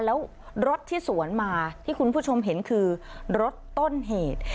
แล้วรถที่สวนมาที่คุณผู้ชมเห็นคือรถต้นเหตุ